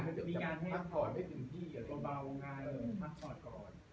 ถ้าเกิดมีงานทักทอดไม่ถึงที่ก็ต้องเบางานทักทอดก่อน